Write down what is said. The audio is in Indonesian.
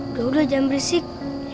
udah udah jangan berisik